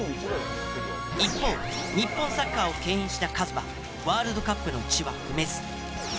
一方日本サッカーを牽引したカズはワールドカップの地は踏めず。